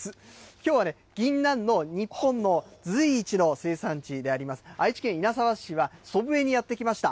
きょうはぎんなんの日本の随一の生産地であります、愛知県稲沢市は祖父江にやって来ました。